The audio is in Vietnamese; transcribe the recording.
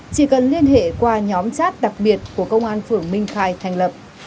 chỉ cần liên hệ qua nhóm chat đặc biệt của công an phường minh khai thành lập